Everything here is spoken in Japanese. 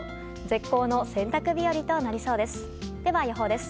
絶好の洗濯日和となりそうです。